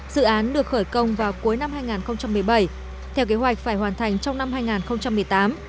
dự án được khởi công vào cuối năm hai nghìn một mươi bảy theo kế hoạch phải hoàn thành trong năm hai nghìn một mươi tám